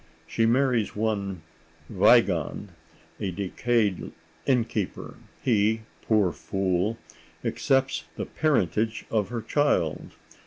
She marries one Wiegand, a decayed innkeeper; he, poor fool, accepts the parentage of her child.